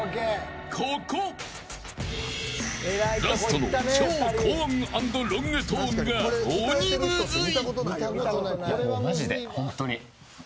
ここ、ラストの超高音アンドロングトーンが鬼むずい。